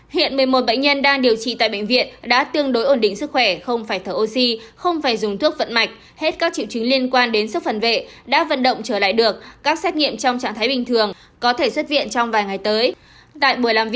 hiện một mươi một bệnh nhân đang điều trị tại bệnh viện đã tương đối ổn định sức khỏe không phải thở oxy không phải dùng thuốc vận mạch hết các triệu chứng liên quan đến sốc phần vệ đã vận động trở lại được các xét nghiệm trong trạng thái bình thường có thể xuất viện trong vài ngày tới